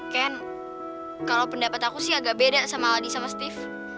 ken kalau pendapat aku sih agak beda sama aldi sama steve